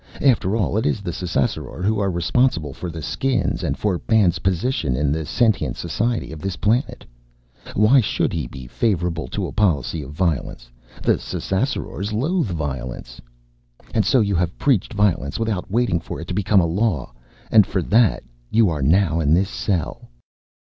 After all, it is the Ssassaror who are responsible for the Skins and for Man's position in the sentient society of this planet. Why should he be favorable to a policy of Violence? The Ssassarors loathe violence." "And so you have preached Violence without waiting for it to become a law? And for that you are now in this cell?"